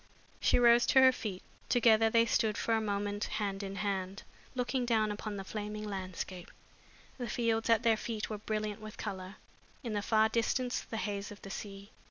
She rose to her feet. Together they stood, for a moment, hand in hand, looking down upon the flaming landscape. The fields at their feet were brilliant with color; in the far distance the haze of the sea.